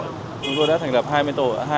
chúng tôi đã thành lập hai mươi tổ